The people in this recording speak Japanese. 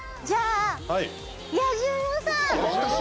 じゃあ私？